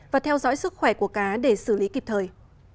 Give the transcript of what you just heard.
và theo dõi sức khỏe của cá để xử lý kịp thời